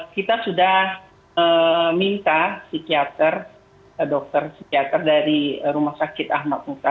kita sudah minta psikiater dokter psikiater dari rumah sakit ahmad muka